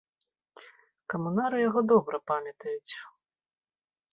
Камунары яго добра памятаюць.